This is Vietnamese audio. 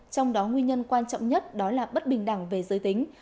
trong đó nguyên nhân quan trọng nhất đó là bất bình đẳng về giới tính